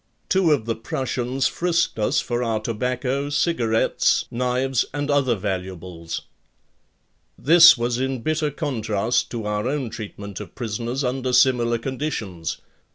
Two of the Prussians "frisked" us for our tobacco, cigarettes, knives and other valuables. This was in bitter contrast to our own treatment of prisoners under similar conditions.